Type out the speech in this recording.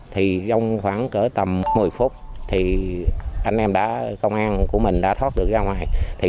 trong khoảng tầm một mươi phút công an của mình đã thoát được ra ngoài